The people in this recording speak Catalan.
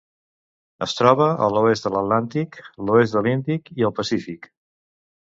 Es troba a l'oest de l'Atlàntic, l'oest de l'Índic i el Pacífic.